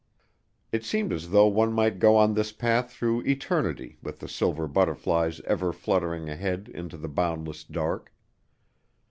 It seemed as though one might go on this path through eternity with the silver butterflies ever fluttering ahead into the boundless dark.